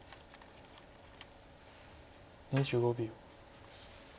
２５秒。